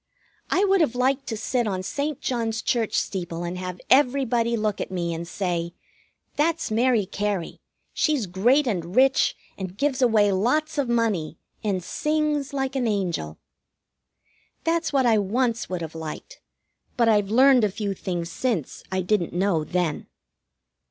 I would have liked to sit on St. John's Church steeple and have everybody look at me and say: "That's Mary Cary! She's great and rich, and gives away lots of money and sings like an angel." That's what I once would have liked, but I've learned a few things since I didn't know then.